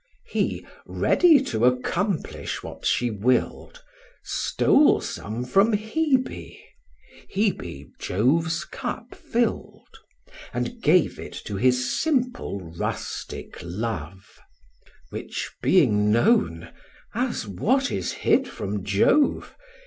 He, ready to accomplish what she will'd, Stole some from Hebe (Hebe Jove's cup fill'd), And gave it to his simple rustic love: Which being known, as what is hid from Jove?